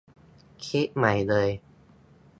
คิดใหม่เลย